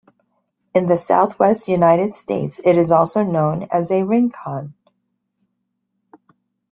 In the southwest United States it is also known as a rincon.